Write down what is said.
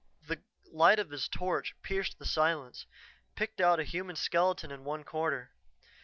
The light of his torch pierced the silence, picked out a human skeleton in one corner.